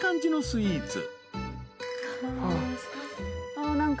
ああ何か。